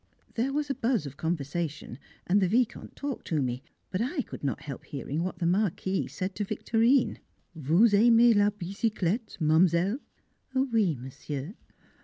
There was a buzz of conversation, and the Vicomte talked to me, but I could not help hearing what the Marquis said to Victorine "Vous aimez la bicyclette, mademoiselle?" "Oui, monsieur."